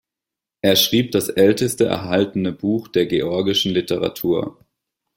Er schrieb das älteste erhaltene Buch der georgischen Literatur.